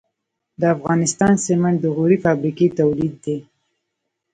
د افغانستان سمنټ د غوري فابریکې تولید دي